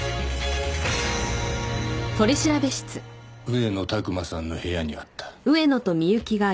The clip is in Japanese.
上野拓馬さんの部屋にあった。